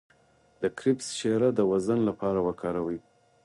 د کرفس شیره د وزن لپاره وکاروئ